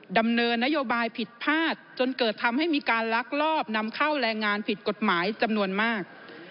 ดำเนินนโยบายผิดพลาดจนเกิดทำให้มีการลักลอบนำเข้าแรงงานผิดกฎหมายจำนวนมาก